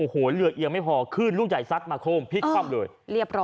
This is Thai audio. เหลือเอียงไม่พอขึ้นลูกใจซักมาโค้งพลิกความเหลือ